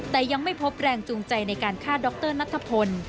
แต่ยังไม่พบแรงจูงใจในการฆ่าดรนัทพล